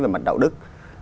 về mặt đạo đức